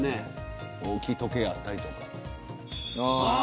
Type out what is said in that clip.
大きい時計があったりとか。